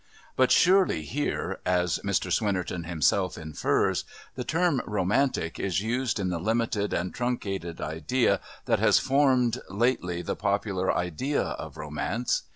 But, surely, here, as Mr Swinnerton himself infers, the term "Romantic" is used in the limited and truncated idea that has formed, lately the popular idea of Romance.